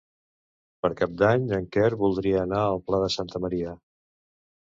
Per Cap d'Any en Quer voldria anar al Pla de Santa Maria.